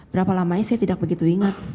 berapa lamanya saya tidak begitu ingat